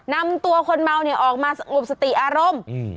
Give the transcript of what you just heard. นำตัวคนเมาเนี่ยออกมาสงบสติอารมณ์อืม